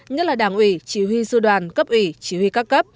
nhất là đảng ủy chỉ huy sư đoàn cấp ủy chỉ huy các cấp